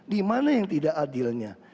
di mana yang tidak adilnya